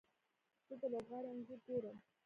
زه د لوبغاړي انځور ګورم.